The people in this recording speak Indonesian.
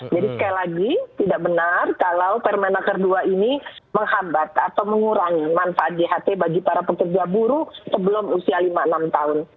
jadi sekali lagi tidak benar kalau permenaker dua ini menghambat atau mengurangi manfaat jht bagi para pekerja buruh sebelum usia lima puluh enam tahun